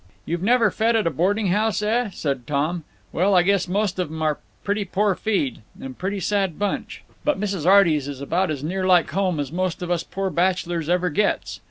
"You've never fed at a boarding house, eh?" said Tom. "Well, I guess most of 'em are pretty poor feed. And pretty sad bunch. But Mrs. Arty's is about as near like home as most of us poor bachelors ever gets.